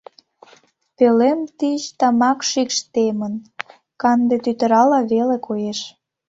Пӧлем тич тамак шикш темын, канде тӱтырала веле коеш.